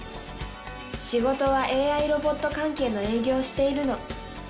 「仕事はＡＩロボット関係の営業をしているの」